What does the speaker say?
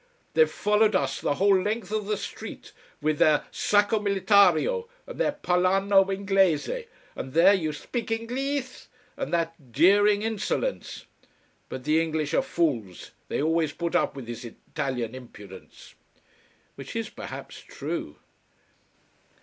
"They've followed us the whole length of the street with their sacco militario and their parlano inglese and their you spik Ingleesh, and their jeering insolence. But the English are fools. They always put up with this Italian impudence." Which is perhaps true.